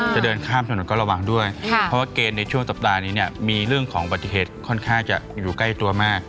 จะเดินข้ามถนนก็ระวังด้วยเพราะว่าเกณฑ์ในช่วงสัปดาห์นี้เนี่ยมีเรื่องของปฏิเหตุค่อนข้างจะอยู่ใกล้ตัวมาก